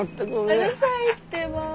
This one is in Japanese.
うるさいってば。